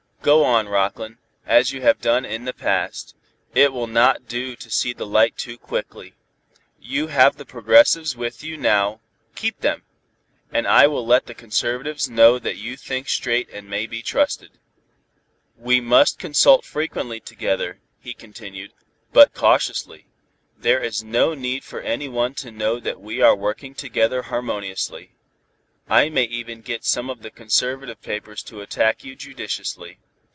"Go on, Rockland, as you have done in the past. It will not do to see the light too quickly. You have the progressives with you now, keep them, and I will let the conservatives know that you think straight and may be trusted. "We must consult frequently together," he continued, "but cautiously. There is no need for any one to know that we are working together harmoniously. I may even get some of the conservative papers to attack you judiciously.